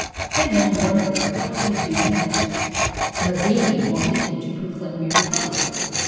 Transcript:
Then men wondered what he would do next. Mazzini wanted him to proclaim a republic.